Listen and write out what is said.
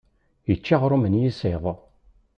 Yečča aɣrum n yisiḍ.